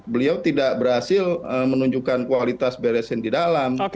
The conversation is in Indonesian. beliau tidak berhasil menunjukkan kualitas beresin di dalam